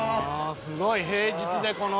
すごい。平日でこの。